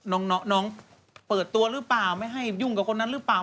น้องเปิดตัวหรือเปล่าไม่ให้ยุ่งกับคนนั้นหรือเปล่า